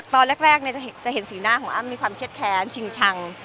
ตอนแรกจะเห็นสีหน้าของอั๊มมีความเช็ดแขน